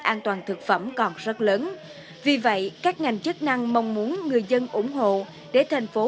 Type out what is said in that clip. an toàn thực phẩm còn rất lớn vì vậy các ngành chức năng mong muốn người dân ủng hộ để thành phố